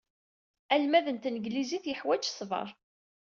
Almad n tanglizit yeḥwaj ṣṣber.